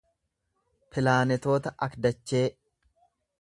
pilaanetoota akdachee